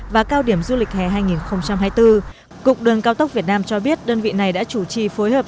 và cao điểm du lịch hè hai nghìn hai mươi bốn cục đường cao tốc việt nam cho biết đơn vị này đã chủ trì phối hợp